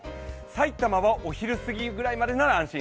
埼玉はお昼すぎぐらいまでなら安心。